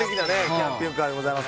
キャンピングカーでございます